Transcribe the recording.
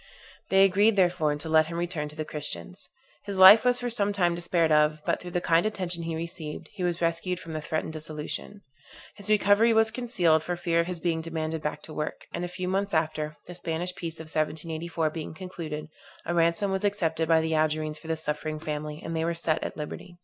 They agreed, therefore, to let him return to the Christians. His life was for some time despaired of; but through the kind attention he received, he was rescued from the threatened dissolution. His recovery was concealed, for fear of his being demanded back to work; and a few months after, the Spanish peace of 1784 being concluded, a ransom was accepted by the Algerines for this suffering family, and they were set at liberty.